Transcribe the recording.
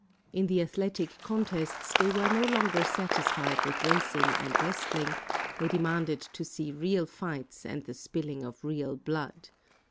In the athletic contests they were no longer satisfied with racing and wrestling; they demanded to see real fights and the spilling of real blood.